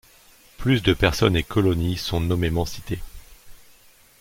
Plus de personnes et colonies sont nommément citées.